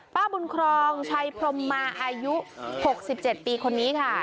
ป้าบุญครองชัยพรมมาอายุ๖๗ปีคนนี้ค่ะ